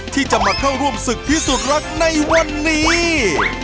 ที่จะมาเข้าร่วมศึกพิสูจน์รักในวันนี้